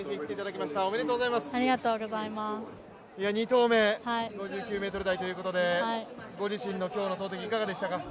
２投目、５９ｍ台ということでご自身の今日の投てきいかがでしたか？